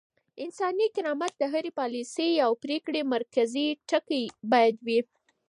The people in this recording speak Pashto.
انساني کرامت د هرې پاليسۍ او پرېکړې مرکزي ټکی بايد وي.